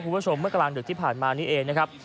คุณผู้ชมเมื่อกลางเดือดที่ผ่านมานี้เองนะครับ